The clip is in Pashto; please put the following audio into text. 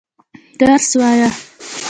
درس وايه.